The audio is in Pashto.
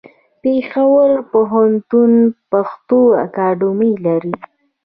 پېښور پوهنتون پښتو اکاډمي لري.